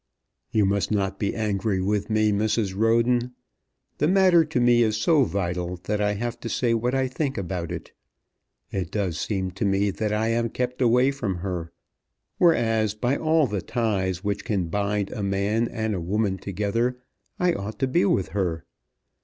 "You must not be angry with me, Mrs. Roden. The matter to me is so vital that I have to say what I think about it. It does seem to me that I am kept away from her, whereas, by all the ties which can bind a man and a woman together, I ought to be with her.